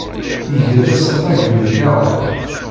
Iga-d asafag n lkaɣeḍ.